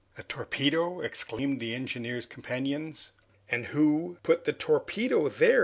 "A torpedo!" exclaimed the engineer's companions. "And who put the torpedo there?"